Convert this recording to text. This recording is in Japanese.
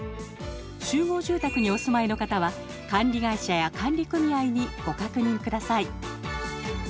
集合住宅にお住まいの方は管理会社や管理組合にご確認ください。